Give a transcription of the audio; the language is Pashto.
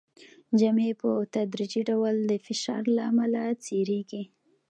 جامې په تدریجي ډول د فشار له امله څیریږي.